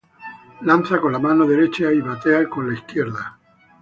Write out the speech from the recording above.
Lanza con la mano derecha y batea con a la izquierda.